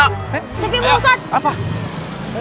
eh tapi bapak ustadz